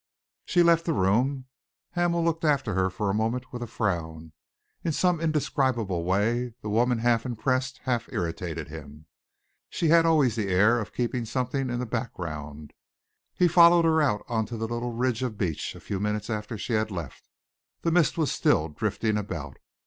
She left the room. Hamel looked after her for a moment with a frown. In some indescribable way, the woman half impressed, half irritated him. She had always the air of keeping something in the background. He followed her out on to the little ridge of beach, a few minutes after she had left. The mist was still drifting about.